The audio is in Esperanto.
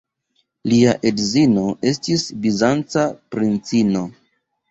Lia edzino estis bizanca princino.